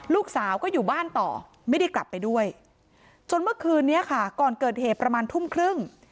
ลูกสาวก็อยู่บ้านต่อไม่ได้กลับไปด้วยจนเมื่อคืนนี้ค่ะก่อนเกิดเหตุประมาณทุ่มครึ่ง